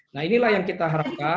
nah inilah yang kita harapkan